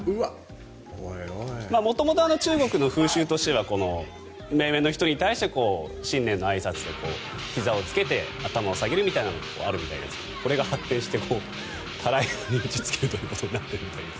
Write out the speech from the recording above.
元々、中国の風習としては目上の人に対してひざをつけて頭を下げるみたいなことがあるみたいですがこれが発展してたらいに打ちつけるということになっているみたいです。